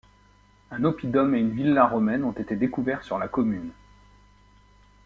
Un oppidum et une villa romaine ont été découverts sur la commune.